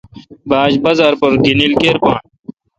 بہ آج بازار پر گینل کیر بھان۔